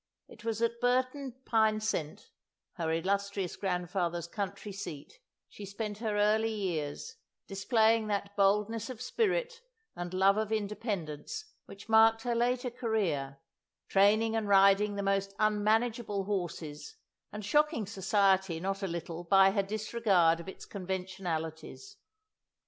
It was at Burton Pynsent, her illustrious grandfather's country seat, she spent her early years, displaying that boldness of spirit and love of independence which marked her later career, training and riding the most unmanageable horses, and shocking society not a little by her disregard of its conventionalities.